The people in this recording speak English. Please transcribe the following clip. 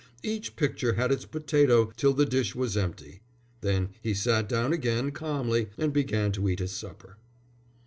Each picture had its potato till the dish was empty. Then he sat down again calmly and began to eat his supper."